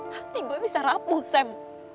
hati gue bisa rapuh sam